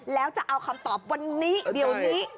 แล้วจะเอาคำตอบวันนี้เดี๋ยวนี้